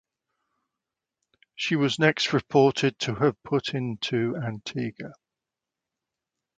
She was next reported to have put into Antigua.